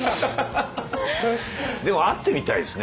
でも会ってみたいですね